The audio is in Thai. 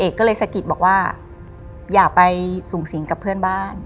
ก็เลยสะกิดบอกว่าอย่าไปสูงสิงกับเพื่อนบ้าน